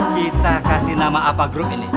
kita kasih nama apa grup ini